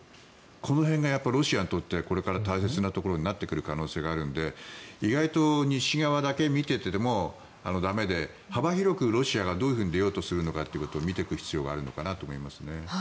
この辺がロシアにとってこれから大切なところになってくる可能性があるので意外と西側だけ見ていても駄目で幅広くロシアがどう出ようとしているのかというのを見ていく必要があるのかなと思いますね。